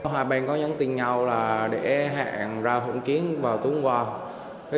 hai bên có nhấn tình nhau là để hẹn ra hỗn kiến vào tuần qua